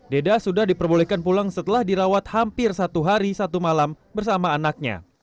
deda sudah diperbolehkan pulang setelah dirawat hampir satu hari satu malam bersama anaknya